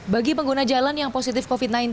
bagi pengguna jalan yang positif covid sembilan belas